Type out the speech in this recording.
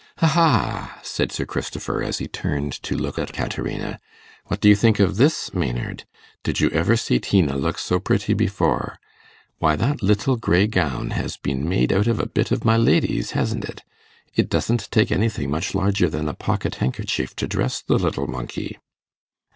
'Aha!' said Sir Christopher, as he turned to look at Caterina, 'what do you think of this, Maynard? Did you ever see Tina look so pretty before? Why, that little grey gown has been made out of a bit of my lady's, hasn't it? It doesn't take anything much larger than a pocket handkerchief to dress the little monkey.